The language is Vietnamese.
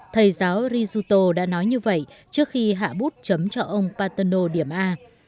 thầy giáo rizuto đã nói như vậy trước khi hạ bút chấm cho ông paterno điểm a